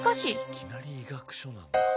いきなり医学書なんだ。